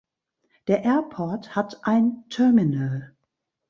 Der Airport hat ein Terminal.